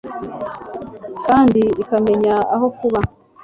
kandi ikamenya aho buba